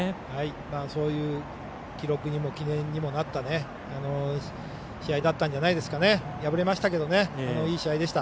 そういう記録にも記念にもなった試合だったんじゃないですかね敗れましたけどいい試合でした。